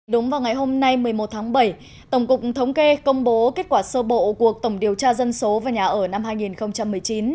đúng vào ngày hôm nay một mươi một tháng bảy tổng cục thống kê công bố kết quả sơ bộ cuộc tổng điều tra dân số và nhà ở năm hai nghìn một mươi chín